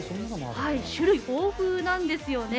種類豊富なんですよね。